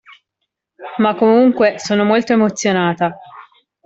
Ma comunque, sono molto emozionata.